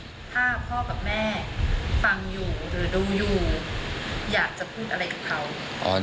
ถ้าพ่อกับแม่ฟังอยู่หรือดูอยู่อยากจะพูดอะไรกับเขา